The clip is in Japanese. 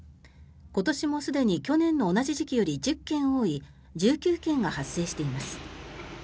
今年もすでに去年の同じ時期より１０件多い１９件が発生しています。